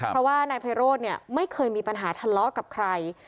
เพราะว่านายไพโรธเนี่ยไม่เคยมีปัญหาทะเลาะกับใคร